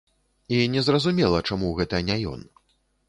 І незразумела, чаму гэта не ён.